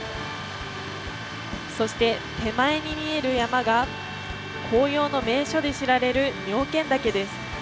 そして、手前に見える山が紅葉の名所で知られる妙見岳です。